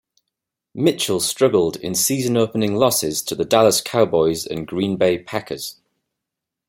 Mitchell struggled in season-opening losses to the Dallas Cowboys and Green Bay Packers.